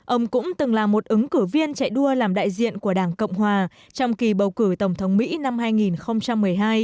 ông cũng từng là một ứng cử viên chạy đua làm đại diện của đảng cộng hòa trong kỳ bầu cử tổng thống mỹ năm hai nghìn một mươi hai